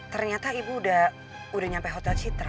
ternyata ibu udah nyampe hotel citra